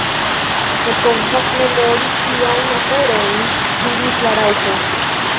"Ne povas memori kiajn aferojn?" diris la Raŭpo.